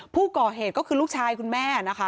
ผู้ก่อเหตุก็คือลูกชายคุณแม่นะคะ